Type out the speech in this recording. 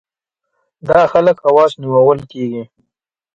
دا خلک خواص نومول کېږي.